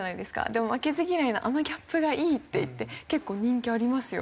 でも負けず嫌いなあのギャップがいいって言って結構人気ありますよ。